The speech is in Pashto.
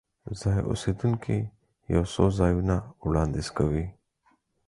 ځایي اوسیدونکي یو څو ځایونه وړاندیز کوي.